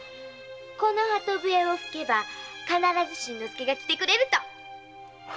この鳩笛を吹けば必ず新之助が助けに来てくれると。